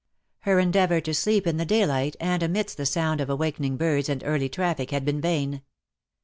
Her endeavour to sleep in the daylight and amidst the sound of awakening birds and early traffic had been vain.